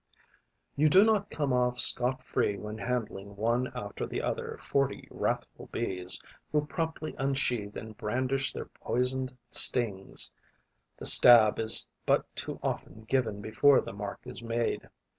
You do not come off scot free when handling one after the other forty wrathful Bees, who promptly unsheathe and brandish their poisoned stings. The stab is but too often given before the mark is made.